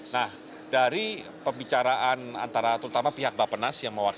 nah dari pembicaraan antara terutama pihak bapak nas yang mewakili